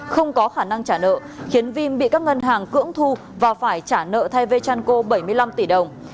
không có khả năng trả nợ khiến vim bị các ngân hàng cưỡng thu và phải trả nợ thay vechanco bảy mươi năm tỷ đồng